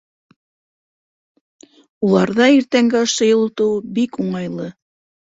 Уларҙа иртәнге ашты йылытыуы бик уңайлы.